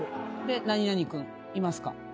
何々君いますか？